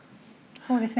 そうですね。